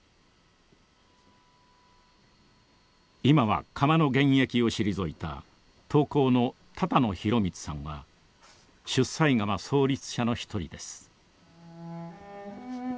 今は窯の現役を退いた陶工の多々納弘光さんは出西窯創立者の一人です。